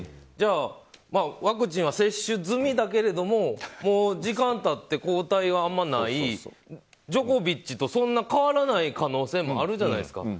じゃあワクチンは接種済みだけどもう時間経って抗体があんまないジョコビッチとそんな変わらない可能性もあるじゃないですか。